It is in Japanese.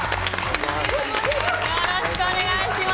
よろしくお願いします。